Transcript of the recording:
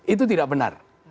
itu tidak benar